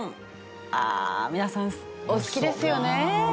ああ皆さんお好きですよね？